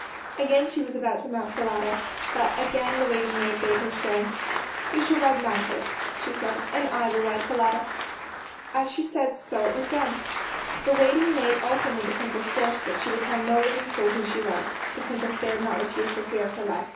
Again she was about to mount Falada, but again the waiting maid bade her stay; "You shall ride my horse," said she, "and I will ride Falada." As she said so it was done. The waiting maid also made the Princess swear that she would tell no living soul who she was. The Princess dared not refuse for fear of her life.